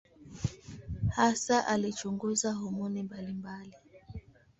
Hasa alichunguza homoni mbalimbali.